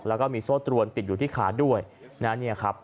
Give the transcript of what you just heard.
แล้วก็มีโซ่ตรวนติดอยู่ที่ขาด้วยนะเนี่ยครับ